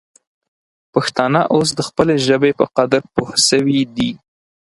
پښتانه اوس د خپلې ژبې په قدر پوه سوي دي.